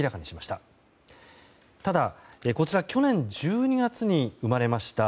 ただ、こちら去年１２月に生まれました